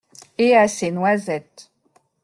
Et à ses noisettes.